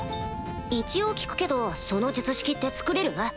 一応聞くけどその術式って作れる？